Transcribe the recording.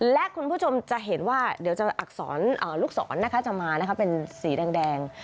และคุณผู้ชมจะเห็นว่าเดี๋ยวจะอักษรลูกศรนะคะจะมานะคะเป็นสีแดง